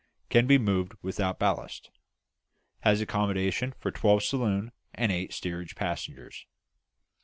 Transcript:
Can be moved without ballast. Has accommodation for twelve saloon and eight steerage passengers.